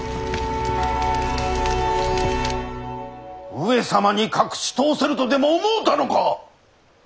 上様に隠し通せるとでも思うたのか！